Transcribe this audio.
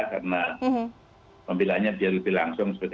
karena pembelanya lebih langsung